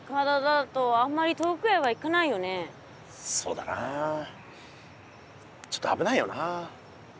そうだなあちょっとあぶないよな。